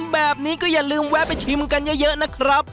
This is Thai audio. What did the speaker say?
แบบนี้ก็อย่าลืมแวะไปชิมกันเยอะนะครับ